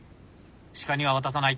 鹿には渡さない！